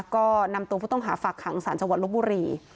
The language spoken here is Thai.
ก็นำตัวผู้ต้องหาฝากขังสารจังหวัดลบบุรี